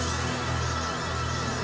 kamu beli di mana sih